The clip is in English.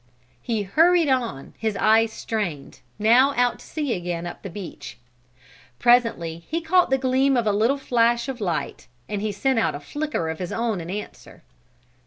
He hurried on, his eyes strained, now out to sea again up the beach. Presently he caught the gleam of a little flash of light and he sent out a flicker of his own in answer.